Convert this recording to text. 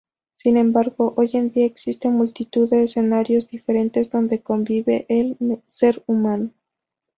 Sin embargo, hoy en día existen multitud escenarios diferentes donde convive el ser humano.